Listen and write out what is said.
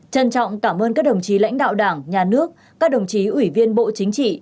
trân trọng cảm ơn các đồng chí lãnh đạo đảng nhà nước các đồng chí ủy viên bộ chính trị